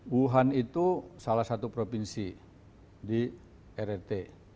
wuhan itu salah satu provinsi di rrt